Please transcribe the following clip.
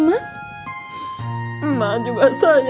emaknya enggak ada caranya